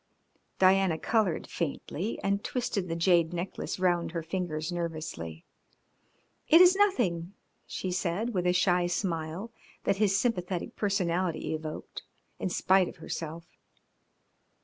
Diana coloured faintly and twisted the jade necklace round her fingers nervously. "It is nothing," she said, with a shy smile that his sympathetic personality evoked in spite of herself.